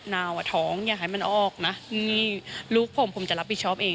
นาวอ่ะท้องอย่าให้มันออกนะนี่ลูกผมผมจะรับผิดชอบเอง